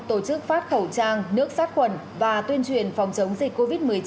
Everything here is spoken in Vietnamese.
tổ chức phát khẩu trang nước sát khuẩn và tuyên truyền phòng chống dịch covid một mươi chín